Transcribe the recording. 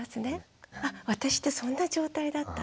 あ私ってそんな状態だったの？